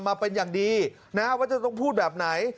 มาเป็นอย่างดีนะว่าจะต้องพูดแบบไหน